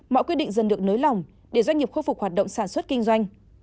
mọi quyết định dần được nới lỏng để doanh nghiệp khôi phục hoạt động sản xuất kinh doanh